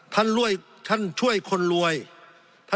สงบจนจะตายหมดแล้วครับ